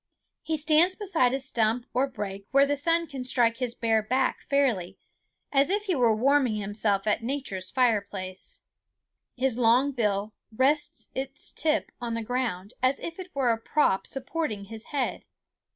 He stands beside a stump or brake where the sun can strike his bare back fairly, as if he were warming himself at nature's fireplace. His long bill rests its tip on the ground, as if it were a prop supporting his head.